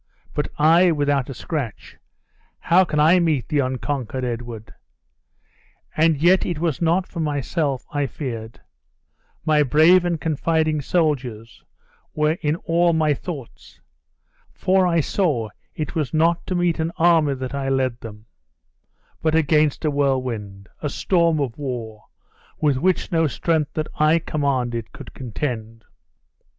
But I, without a scratch, how can I meet the unconquered Edward? And yet it was not for myself I feared: my brave and confiding soldiers were in all my thoughts; for I saw it was not to meet an army I led them, but against a whirlwind, a storm of war, with which no strength that I commanded could contend."